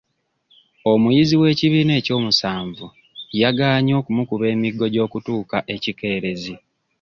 Omuyizi w'ekibiina ekyomusanvu yagaanye okumukuba emiggo gy'okutuuka ekikeerezi